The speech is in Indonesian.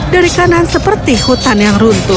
dari kanan seperti hutan yang runtuh